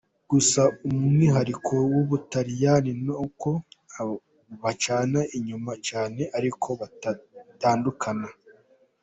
Gusa umwihariko w’u Butaliyani ni uko bacana inyuma cyane, ariko badatandukana.